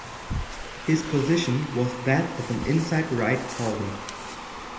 His position was that of an inside right forward.